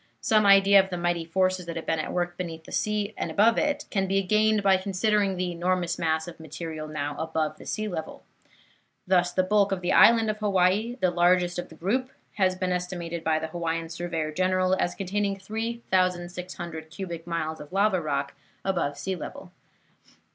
Some idea of the mighty forces that have been at work beneath the sea and above it can be gained by considering the enormous mass of material now above the sea level. Thus, the bulk of the island of Hawaii, the largest of the group, has been estimated by the Hawaiian Surveyor General as containing 3,600 cubic miles of lava rock above sea level.